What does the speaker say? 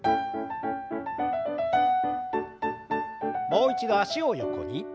もう一度脚を横に。